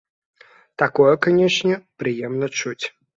Такое, канечне, прыемна чуць.